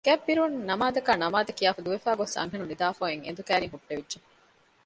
ގަތްބިރުން ނަމާދަކާ ނަމާދެއް ކިޔާފައި ދުވެފައި ގޮސް އަންހެނުން ނިދާފައި އޮތް އެނދު ކައިރިއަށް ހުއްޓެވިއްޖެ